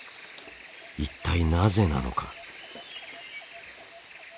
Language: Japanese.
一体なぜなのか。